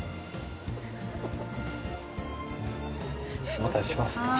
お待たせしました。